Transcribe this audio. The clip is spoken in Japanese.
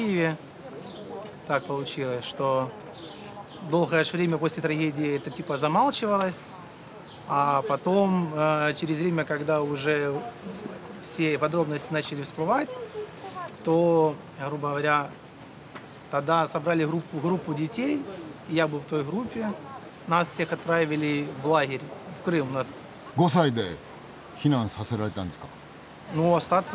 ５歳で避難させられたんですか？